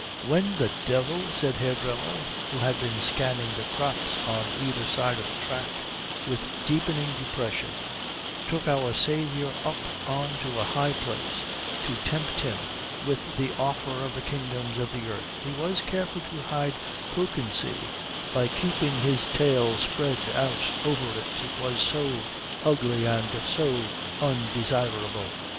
"When the Devil," said Herr Dremmel, who had been scanning the crops on either side of the track with deepening depression, "took our Saviour up on to a high place to tempt him with the offer of the kingdoms of the earth, he was careful to hide Kökensee by keeping his tail spread out over it, it was so ugly and so undesirable."